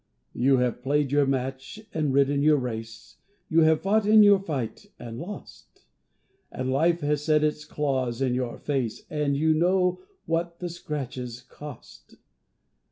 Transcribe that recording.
You have played your match, and ridden your race, You have fought in your fight and lost; And life has set its claws in your face, And you know what the scratches cost.